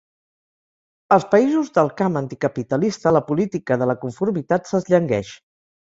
Als països del camp anticapitalista la política de la conformitat s'esllangueix.